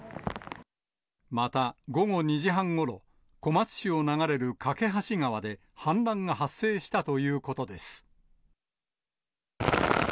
また、午後２時半ごろ、小松市を流れる梯川で氾濫が発生したということです。